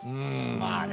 まあね。